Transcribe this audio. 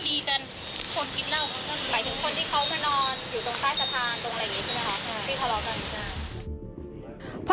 ที่ทะเลาะกัน